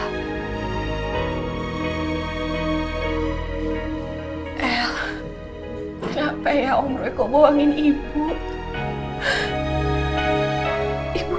el kenapa ya om roy kok boangin ibu